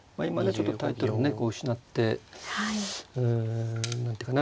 ちょっとタイトルね失ってうん何ていうかな